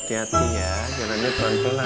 hati hati ya jalannya pelan pelan